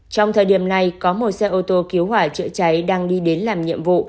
trong thời điểm này có một xe ô tô cứu hỏa chữa cháy đang đi đến làm nhiệm vụ